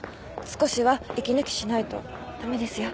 少しは息抜きしないと駄目ですよ。